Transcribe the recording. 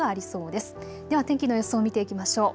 では天気の予想を見ていきましょう。